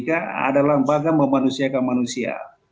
karena lembaga pendidikan adalah lembaga memanusiakan manusia